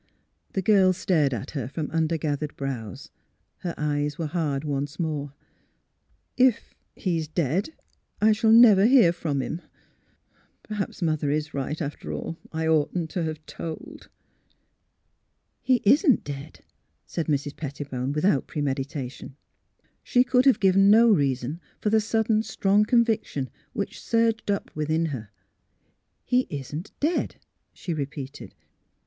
The girl stared at her from under gathered brows. Her eyes were hard once more. " If he's — dead, I shall never hear from him. Perhaps Mother is right, after all. I oughtn't to have told." AT THE PAESONAGE 237 ^* He isn't dead," said Mrs. Pettibone, with out premeditation. She could have given no reason for the sud den strong conviction which surged up within her. '^ He isn't dead," she repeated.